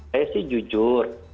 saya sih jujur